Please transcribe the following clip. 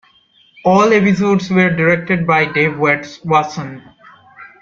All episodes were directed by Dave Wasson.